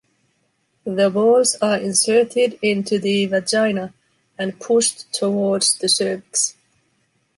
The balls are inserted into the vagina and pushed towards the cervix.